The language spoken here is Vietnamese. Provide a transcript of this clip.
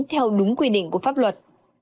theo đúng quy định của pháp luật